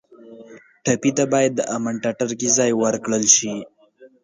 ټپي ته باید د امن ټټر کې ځای ورکړل شي.